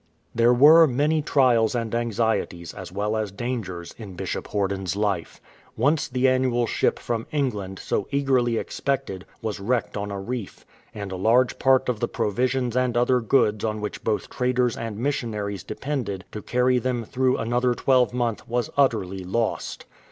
There were many trials and anxieties, as well as dangers, in Bishop Horden"'s life. Once the annual ship from Eng land, so eagerly expected, was wTCcked on a reef, and a large part of the provisions and other goods on which both traders and missionaries depended to carry them through another twelvemonth was utterly lost.